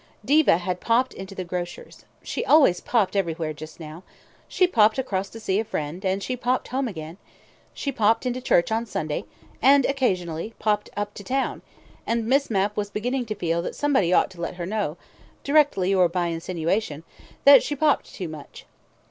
Diva had "popped" into the grocer's. She always popped everywhere just now; she popped across to see a friend, and she popped home again; she popped into church on Sunday, and occasionally popped up to town, and Miss Mapp was beginning to feel that somebody ought to let her know, directly or by insinuation, that she popped too much.